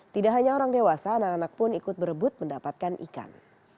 tidak hanya orang dewasa anak anak pun ikut berebut mendapatkan ikan